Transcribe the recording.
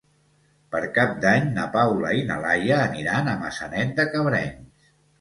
Per Cap d'Any na Paula i na Laia aniran a Maçanet de Cabrenys.